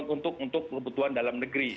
untuk kebutuhan dalam negeri